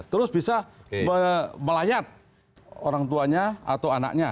terus bisa melayat orang tuanya atau anaknya